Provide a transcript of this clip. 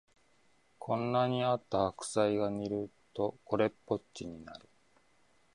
こんなにあった白菜が煮るとこれっぽっちになる